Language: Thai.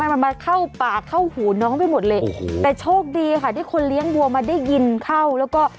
มันมาเข้าปากเข้าหูน้องไปหมดเลยโอ้โหแต่โชคดีค่ะที่คนเลี้ยงวัวมาได้ยินเข้าแล้วก็